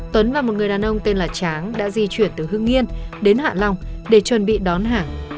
tuấn và một người đàn ông tên là tráng đã di chuyển từ hương yên đến hạ long để chuẩn bị đón hàng